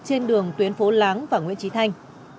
trên đường tuyến phố láng và nguyễn trí thanh